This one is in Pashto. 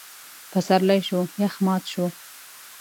پسرلی شو؛ يخ مات شو.